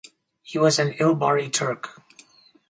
He was an Ilbari Turk.